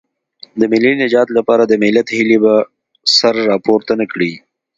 د ملي نجات لپاره د ملت هیلې به سر راپورته نه کړي.